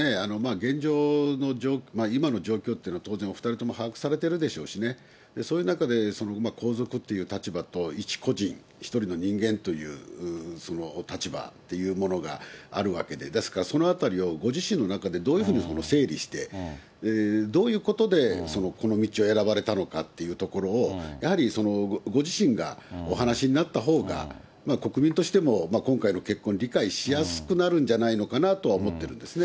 現状の、今の状況っていうのは、当然、お２人とも把握されてるでしょうしね、そういう中で、皇族っていう立場と、一個人、一人の人間というその立場っていうものがあるわけで、ですからそのあたりをご自身の中でどういうふうに整理して、どういうことでこの道を選ばれたのかというところを、やはりご自身がお話になったほうが、国民としても今回の結婚、理解しやすくなるんじゃないかなと思ってるんですね。